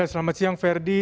selamat siang ferdy